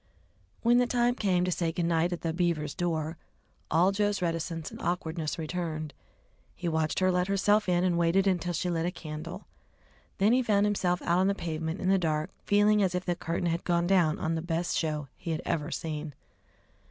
When the time came to say "Good night" at the Beavers' door, all Joe's reticence and awkwardness returned. He watched her let herself in and waited until she lit a candle. Then he found himself out on the pavement in the dark feeling as if the curtain had gone down on the best show be had ever seen.